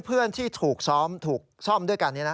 เพื่อนที่ถูกซ้อมด้วยกันนี้นะ